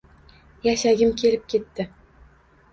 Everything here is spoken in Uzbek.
Yashagim kelib ketdi